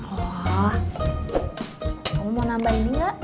oh kamu mau nambah ini enggak